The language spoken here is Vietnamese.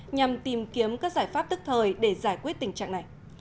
nhằm tìm kiếm các giải pháp tức thời để giải quyết tình trạng này